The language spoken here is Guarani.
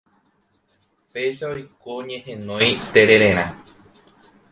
Péicha oiko ñehenói terererã